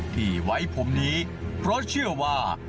ที่ไว้ผมนี้เพราะเชื่อว่า